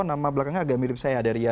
nama belakangnya agak mirip saya ada ria